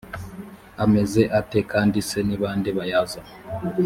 ameze ate kandi se ni ba nde bayazamo